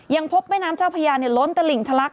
ยังพบแม่น้ำเจ้าพญาเนี่ยล้นตะหลิ่งทะลัก